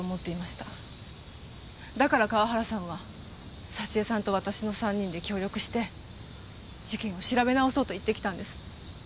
だから河原さんは沙知絵さんと私の３人で協力して事件を調べ直そうと言ってきたんです。